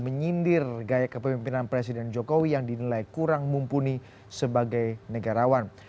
menyindir gaya kepemimpinan presiden jokowi yang dinilai kurang mumpuni sebagai negarawan